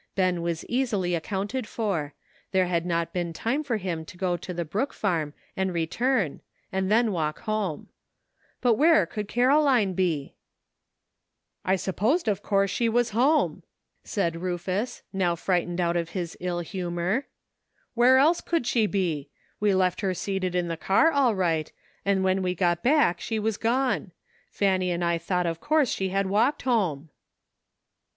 Ben was easily ac counted for; there had not been time for him to go to the Brook farm and return and then walk home; but where could Caroline be? "I supposed of course she was home," said ''WHAT COULD HAPPEN?'' ei Rufus, now frightened out of his ill humor. " Where else could she be ? We left her seated in the car all right, and when we got back she was gone. Fanny and I thought of course she had walked home."